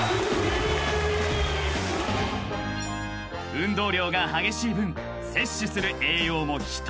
［運動量が激しい分摂取する栄養も人一倍］